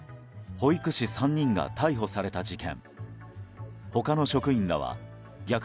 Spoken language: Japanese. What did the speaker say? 保育士３人が逮捕された事件。